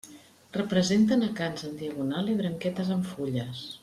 Representen acants en diagonal i branquetes amb fulles.